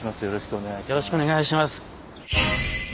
よろしくお願いします。